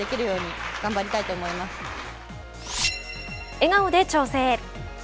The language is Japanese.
笑顔で調整。